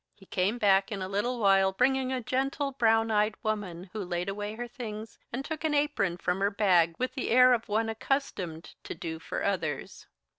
He came back in a little while, bringing a gentle, brown eyed young woman, who laid away her things and took an apron from her bag with the air of one accustomed to do for others.